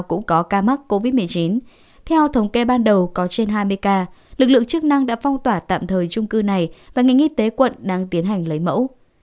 cũng có ca mắc covid một mươi chín theo thống kê ban đầu có trên hai mươi ca lực lượng chức năng đã phong tỏa tạm thời trung cư này và ngành y tế quận đang tiến hành lấy mẫu